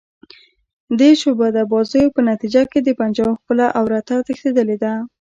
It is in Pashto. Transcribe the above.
دې شعبده بازیو په نتیجه کې د پنجاب خپله عورته تښتېدلې ده.